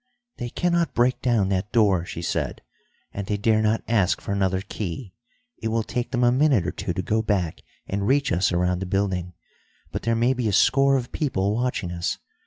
"They cannot break down that door," she said, "and they dare not ask for another key. It will take them a minute or two to go back and reach us around the building. But there may be a score of people watching us.